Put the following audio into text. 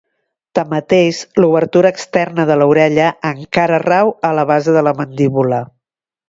Tanmateix, l'obertura externa de l'orella encara rau a la base de la mandíbula.